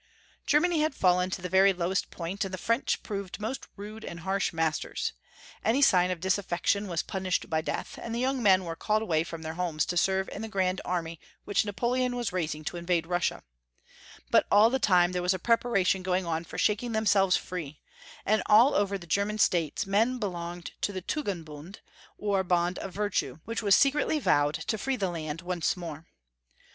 Germany had fallen to the very lowest point, and the French proved most rude and harsh masters. Any sign of disaffection was punished by death, and the young men were called away from their homes to serve in the Grand Army which Napo leon was raising to invade Russia; but all the time there was a preparation going on for shaking them selves free, and all over the German states men belonged to the Tugendhund^ or bond of virtue, which was secretly vowed to free the land once more.